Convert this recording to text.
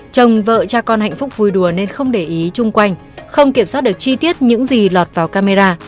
chồng vợ cha con hạnh phúc vui đùa nên không để ý chung quanh không kiểm soát được chi tiết những gì lọt vào camera